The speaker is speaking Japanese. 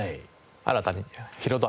新たにヒロド